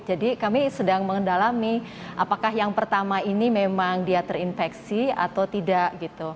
jadi kami sedang mengendalami apakah yang pertama ini memang dia terinfeksi atau tidak